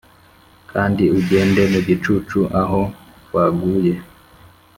kandi ugende mu gicucu aho baguye,